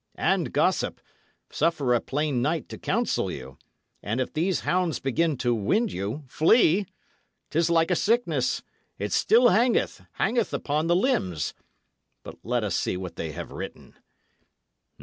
And, gossip, suffer a plain knight to counsel you; and if these hounds begin to wind you, flee! 'Tis like a sickness it still hangeth, hangeth upon the limbs. But let us see what they have written.